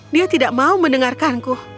dia tidak mau mendengarkanku